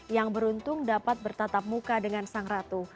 yang beruntung dapat bertatap muka dengan sang ratu